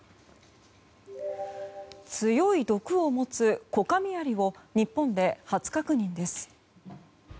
強い毒を持つコカミアリを日本で初確認です。